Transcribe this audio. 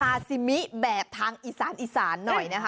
ซาซิมิแบบทางอีสานอีสานหน่อยนะคะ